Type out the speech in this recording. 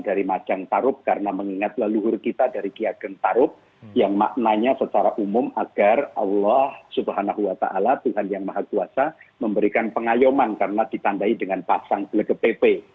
dari majang tarub karena mengingat leluhur kita dari kiageng tarub yang maknanya secara umum agar allah swt tuhan yang maha kuasa memberikan pengayuman karena ditandai dengan pasang belagepe